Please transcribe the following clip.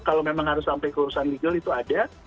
kalau memang harus sampai keurusan legal itu ada